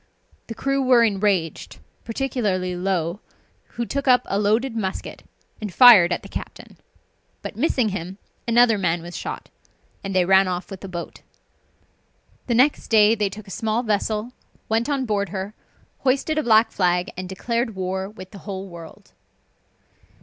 The crew were enraged, particularly Low, who took up a loaded musket and fired at the captain, but missing him, another man was shot, and they ran off with the boat. The next day they took a small vessel, went on board her, hoisted a black flag, and declared war with the whole world.